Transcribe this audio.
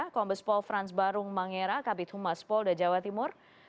kombes pol franz barung mangyera kapit humas pol dan jawa timur